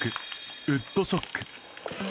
ウッドショック。